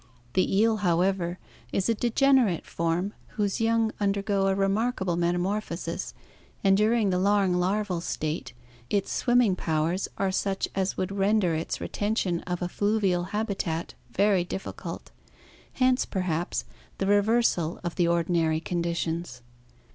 The eel, however, is a degenerate form whose young undergo a remarkable metamorphosis, and during the long larval state its swimming powers are such as would render its retention of a fluvial habitat very difficult, hence, perhaps, the reversal of the ordinary conditions.